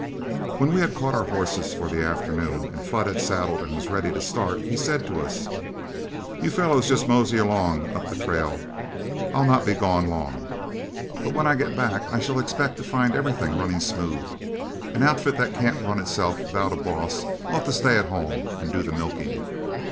When we had caught our horses for the afternoon, and Flood had saddled and was ready to start, he said to us, "You fellows just mosey along up the trail. I'll not be gone long, but when I get back I shall expect to find everything running smooth. An outfit that can't run itself without a boss ought to stay at home and do the milking.